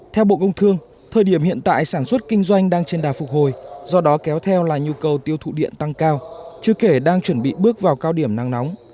theo bộ công thương thời điểm hiện tại sản xuất kinh doanh đang trên đà phục hồi do đó kéo theo là nhu cầu tiêu thụ điện tăng cao chứ kể đang chuẩn bị bước vào cao điểm nắng nóng